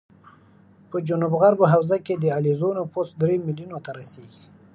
په جنوب غرب حوزه کې د علیزو نفوس درې ملیونو ته رسېږي